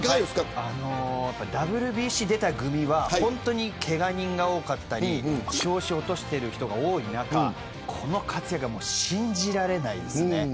ＷＢＣに出た組は本当にけが人が多かったり調子を落としてる人が多い中この活躍は信じられないです。